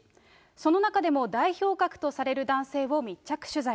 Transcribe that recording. その中でも代表格とされる男性を密着取材。